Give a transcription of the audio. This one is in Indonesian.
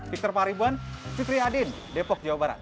victor paribuan fitri adin depok jawa barat